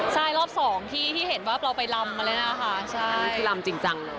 ใช่รอบสองที่ที่เห็นว่าเราไปลำมาเลยนะคะใช่ที่ลำจริงจัง